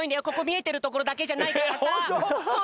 ここみえてるところだけじゃないからさ。